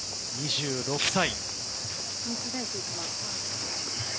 ２６歳。